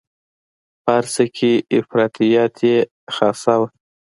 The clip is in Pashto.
په هر څه کې افراطیت یې خاصه وه.